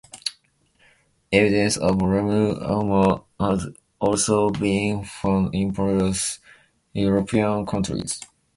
Evidence of lamellar armour has also been found in various European countries.